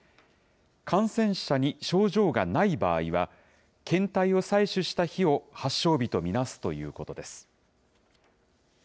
感染者に症状がない場合は、検体を採取した日を発症日と見なすということです。